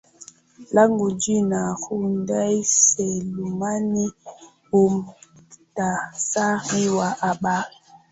langu jina nurdin selumani mukhtasari wa habari